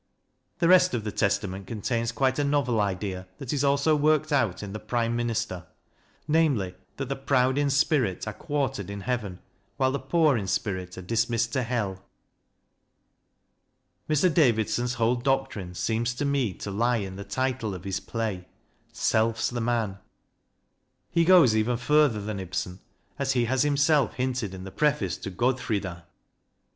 The rest of the Testament contains quite a novel idea, that is also worked out in the " Prime Minister," namely, that the proud in spirit are quartered in heaven, while the poor in spirit are dismissed to hell. Mr. Davidson's whole doctrine seems to me to lie in the title of his play " Self's the Man." He goes even further than Ibsen, as he has JOHN DAVIDSON: REALIST 203 himself hinted in the preface to " Godfrida."